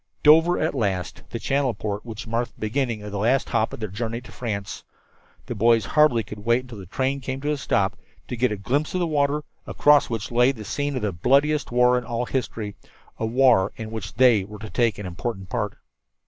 Dover at last the channel port which marked the beginning of the last lap of their journey to France! The boys hardly could wait until the train came to a stop, to get a glimpse of the water, across which lay the scene of the bloodiest war in all history a war in which they were to take an important part.